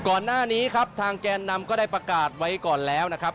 ก่อนหน้านี้ครับทางแกนนำก็ได้ประกาศไว้ก่อนแล้วนะครับ